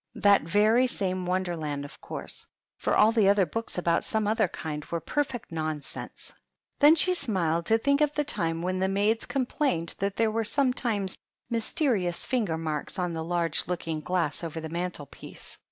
— that very same Wonderland, of course; for all the other books about some other kind were per fect nonsense." PEGGY THE PIG. 15 Then she smiled to think of the time when the maids complained that there were sometimes mys terious finger marks on the large looking glass over the mantel piece.